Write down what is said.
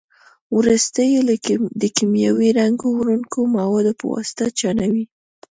وروسته یې د کیمیاوي رنګ وړونکو موادو په واسطه چاڼوي.